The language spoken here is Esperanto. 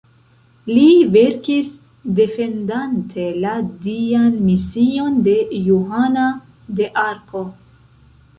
Li verkis defendante la dian mision de Johana de Arko.